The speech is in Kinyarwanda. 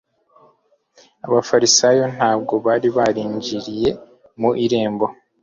Abafarisayo ntabwo bari barinjiriye mu irembo.